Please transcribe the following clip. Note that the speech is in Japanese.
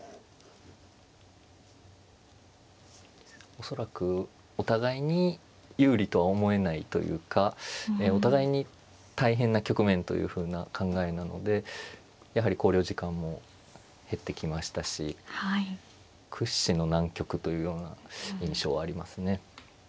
恐らくお互いに有利とは思えないというかお互いに大変な局面というふうな考えなのでやはり考慮時間も減ってきましたし屈指の難局というような印象ありますね。